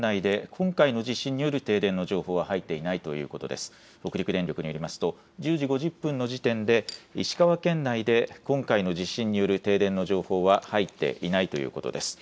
北陸電力によると１０時時５０分の時点で石川県内で今回の地震による停電の情報は入っていないということです。